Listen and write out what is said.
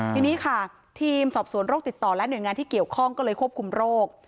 ทีนี้ค่ะทีมสอบสวนโรคติดต่อและหน่วยงานที่เกี่ยวข้องก็เลยควบคุมโรค